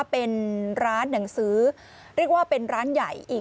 เป็นร้านหนังสือเรียกว่าเป็นร้านใหญ่อีก